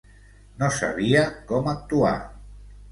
No sabia com actuar.